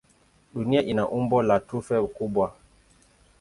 Dunia ina umbo la tufe kubwa.